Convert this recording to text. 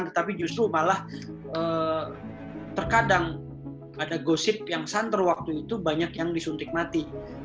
tetapi justru malah terkadang ada gosip yang santer waktu itu banyak yang disuntik mati